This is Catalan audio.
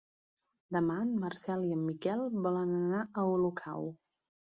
Demà en Marcel i en Miquel volen anar a Olocau.